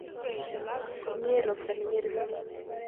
Komie roptane ngering amut